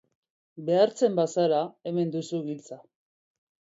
Behartzen bazara, hemen duzu giltza.